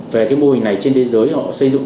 về cái mô hình này trên thế giới họ xây dựng